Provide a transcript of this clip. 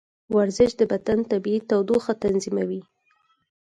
ورزش د بدن طبیعي تودوخه تنظیموي.